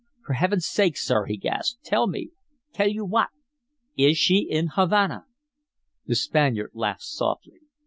"For Heaven's sake, sir," he gasped, "tell me!" "Tell you what?" "Is she in Havana?" The Spaniard laughed softly.